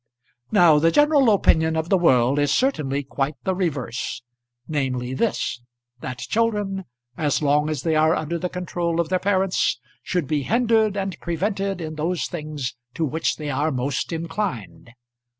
Now the general opinion of the world is certainly quite the reverse namely this, that children, as long as they are under the control of their parents, should be hindered and prevented in those things to which they are most inclined.